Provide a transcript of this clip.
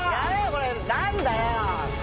これ何だよ！